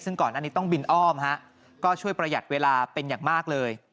ซึ่งก่อนอันนี้ต้องบินอ้อมฮะก็ช่วยประหยัดเวลาเป็นอย่างมากเลย